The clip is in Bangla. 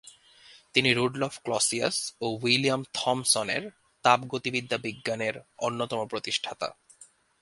তিনি রুডলফ ক্লসিয়াস ও উইলিয়াম থমসন এর তাপগতিবিদ্যা বিজ্ঞানের অন্যতম প্রতিষ্ঠাতা।